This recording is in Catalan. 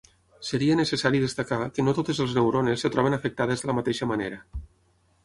Seria necessari destacar que no totes les neurones es troben afectades de la mateixa manera.